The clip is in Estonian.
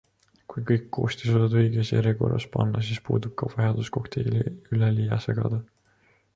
Kui kõik koostisosad õiges järjekorras panna, siis puudub ka vajadus kokteili üleliia segada.